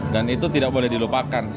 dan itu tidak boleh dilupakan